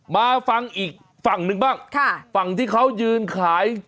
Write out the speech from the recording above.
มาฟังอีกฝั่งหนึ่งบ้างฝั่งที่เขายืนขาย